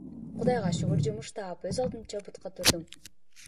Кудайга шүгүр, жумуш таап, өз алдымча бутка турдум.